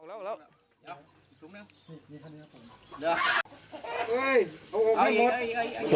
ออกแล้ว